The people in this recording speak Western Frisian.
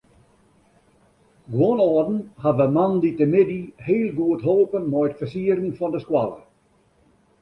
Guon âlden hawwe moandeitemiddei heel goed holpen mei it fersieren fan de skoalle.